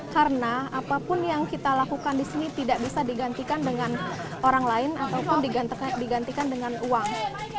karena apapun yang kita lakukan di sini tidak bisa digantikan dengan orang lain ataupun digantikan dengan uang